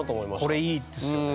これいいですよね。